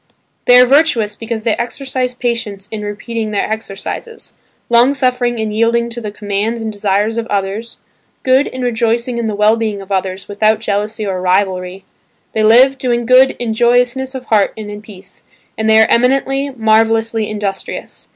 They are virtuous because they exercise patience in repeating their exercises, long suffering in yielding to the commands and desires of others, good in rejoicing in the well being of others without jealousy or rivalry; they live, doing good in joyousness of heart and in peace, and they are eminently, marvellously industrious.